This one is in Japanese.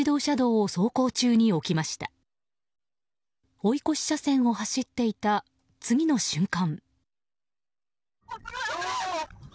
追い越し車線を走っていた次の瞬間。